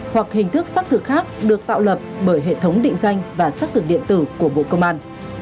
hoặc hình thức xác thực khác được tạo lập bởi hệ thống định danh và xác thực điện tử của bộ công an